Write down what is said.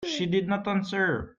She did not answer.